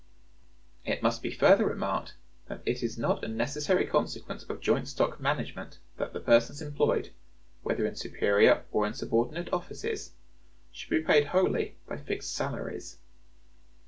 It must be further remarked that it is not a necessary consequence of joint stock management that the persons employed, whether in superior or in subordinate offices, should be paid wholly by fixed salaries.